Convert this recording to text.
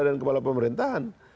dan kepala pemerintahan